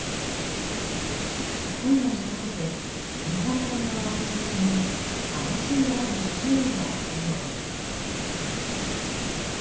今夜にかけて日本海側を中心に激しい雨に注意が必要です。